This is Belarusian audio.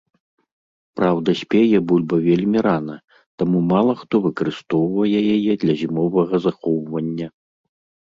Праўда, спее бульба вельмі рана, таму мала хто выкарыстоўвае яе для зімовага захоўвання.